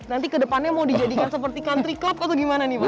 nanti kedepannya mau dijadikan seperti country club atau gimana nih pak